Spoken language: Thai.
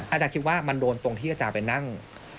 อาจารย์คิดว่ามันโดนตรงที่อาจารย์ไปนั่ง